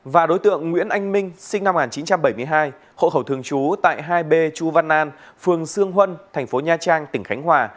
và đối tượng nguyễn anh minh sinh năm một nghìn chín trăm bảy mươi hai hộ khẩu thường trú tại hai b chu văn an phường sương huân thành phố nha trang tỉnh khánh hòa